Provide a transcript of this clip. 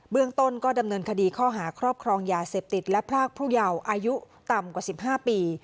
เรื่องต้นก็ดำเนินคดีข้อหาครอบครองยาเสพติดและพรากผู้เยาว์อายุต่ำกว่า๑๕ปี